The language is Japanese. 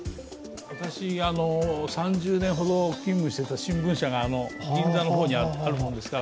私、３０年ほど勤務してた新聞社が銀座の方にあるんですが